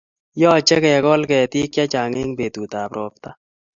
Yochei kegol ketit chechang eng betutap ropta